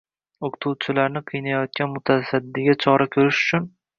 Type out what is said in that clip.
o‘qituvchilarni qiynayotgan mutasaddiga chora ko‘rish uchun